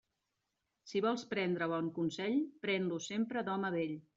Si vols prendre bon consell, pren-lo sempre d'home vell.